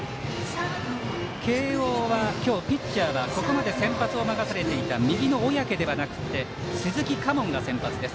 慶応は今日ピッチャーは先発を任されていた右の小宅ではなく鈴木佳門が先発です。